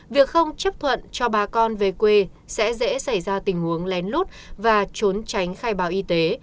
việc không chấp thuận cho bà con về quê sẽ dễ xảy ra tình huống lén lút và trốn tránh khai báo y tế